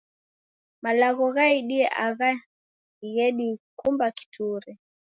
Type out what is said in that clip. Malagho ghaidie aha ghedikumba kiture.